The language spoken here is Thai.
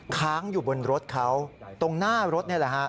ค้างอยู่บนรถเขาตรงหน้ารถนี่แหละฮะ